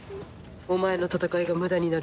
お前の戦いが無駄になる。